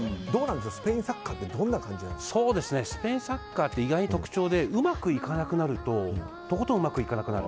スペインサッカーってスペインサッカーって意外に特徴でうまくいかなくなるととことんうまくいかなくなる。